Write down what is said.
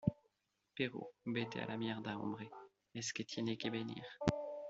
pero vete a la mierda, hombre. es que tiene que venir